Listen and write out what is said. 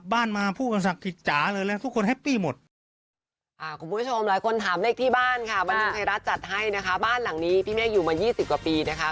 บ้านหลังนี้พี่แม่กอยู่มา๒๐กว่าปีนะคะ